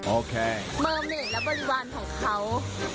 โอเคเมื่อเหมือนแล้วบริวารของเขา